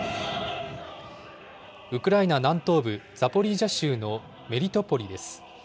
ウクライナ南東部ザポリージャ州のメリトポリです。